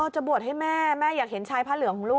จะบวชให้แม่แม่อยากเห็นชายพระเหลืองของลูก